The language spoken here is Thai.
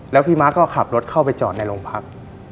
แล้วพี่ม้าก็ขับรถเข้าไปจอดในโรงพัก